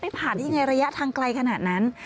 ผ่านได้ยังไงระยะทางไกลขนาดนั้น